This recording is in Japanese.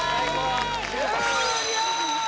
終了！